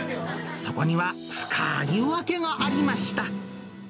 そこには深い訳がありました。